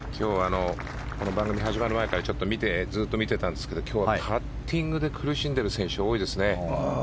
今日、この番組始まる前からずっと見てたんですが、今日はパッティングで苦しんでいる選手、多いですね。